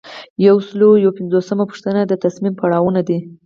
یو سل او یو پنځوسمه پوښتنه د تصمیم پړاوونه دي.